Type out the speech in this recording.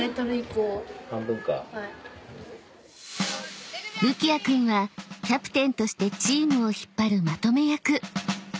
［るきあ君はキャプテンとしてチームを引っ張るまとめ役］